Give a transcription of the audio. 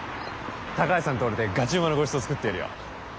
高橋さんと俺でガチウマのごちそう作ってやるよ。